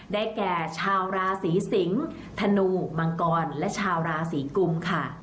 แก่ชาวราศีสิงศ์ธนูมังกรและชาวราศีกุมค่ะ